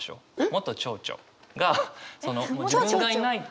元町長が。